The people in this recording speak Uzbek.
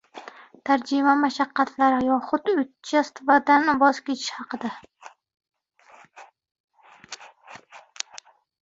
Tarjima mashaqqatlari yoxud "otchestvo"dan voz kechish haqida